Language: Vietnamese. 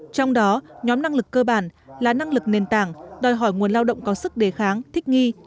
trong đó nhóm năng lực cơ bản là năng lực nền tảng đòi hỏi nguồn lao động có sức đề kháng thích nghi